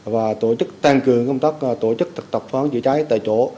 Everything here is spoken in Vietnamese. và tổ chức tăng cường công tác tổ chức thực tập phòng cháy chữa cháy tại chỗ